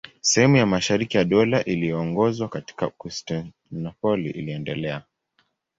Sehemu ya mashariki ya Dola iliyoongozwa kutoka Konstantinopoli iliendelea.